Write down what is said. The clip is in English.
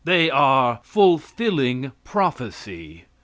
They are "fulfilling prophecy."